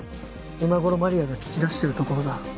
今頃マリアが聞き出してるところだ。